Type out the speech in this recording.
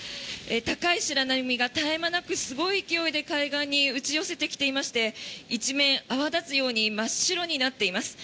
高い白波が絶え間なくすごい勢いで海岸に打ち寄せてきてまして一面、泡立つように真っ白になっています。